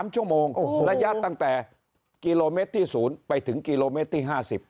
๓ชั่วโมงระยะตั้งแต่กิโลเมตรที่๐ไปถึงกิโลเมตรที่๕๐